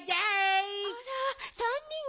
あら３にん？